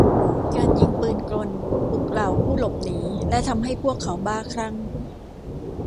การยิงปืนกลปลุกเหล่าผู้หลบหนีและทำให้พวกเขาบ้าคลั่ง